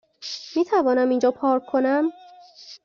میتوانم اینجا پارک کنم؟